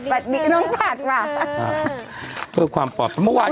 สวัสดีค่ะความปลอดภัย